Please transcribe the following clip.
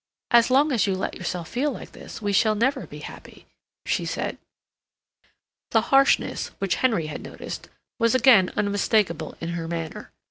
"As long as you let yourself feel like this we shall never be happy," she said. The harshness, which Henry had noticed, was again unmistakable in her manner.